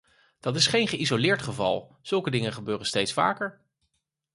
Dat is geen geïsoleerd geval, zulke dingen gebeuren steeds vaker.